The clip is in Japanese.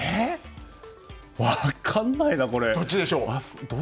分かんないな、これ。